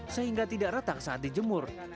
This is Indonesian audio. sehingga tidak retak saat dijemur